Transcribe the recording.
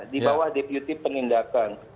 di bawah deputi penindakan